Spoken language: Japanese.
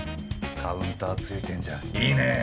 カウンター付いてんじゃんいいね。